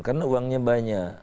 karena uangnya banyak